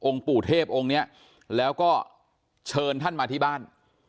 ปู่เทพองค์นี้แล้วก็เชิญท่านมาที่บ้าน